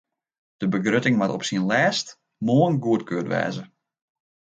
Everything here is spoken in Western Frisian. De begrutting moat op syn lêst moarn goedkard wêze.